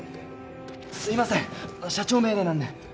すいません社長命令なんで。